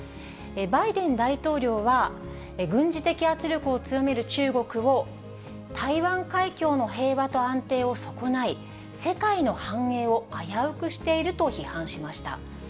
バイデン大統領は、軍事的圧力を強める中国を、台湾海峡の平和と安定を損ない、世界の繁栄を危うくしていると批判しました。